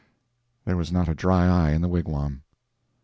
There was not a dry eye in the wigwam.